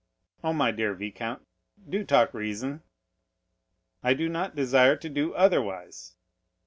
"Oh, my dear viscount, do talk reason!" "I do not desire to do otherwise."